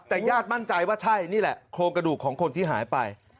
แต่ญาติมั่นใจว่าใช่นี่แหละโครงกระดูกของคนที่หายไป